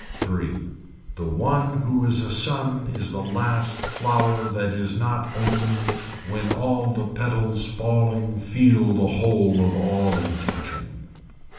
Three. The one who is a sun is the last flower that is not open when all the petals falling feel the whole of all intention.